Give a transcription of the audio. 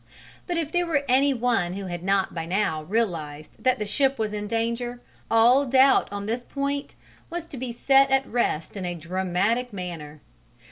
But if there were any one who had not by now realized that the ship was in danger, all doubt on this point was to be set at rest in a dramatic manner.